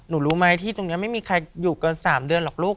รู้ไหมที่ตรงนี้ไม่มีใครอยู่เกิน๓เดือนหรอกลูก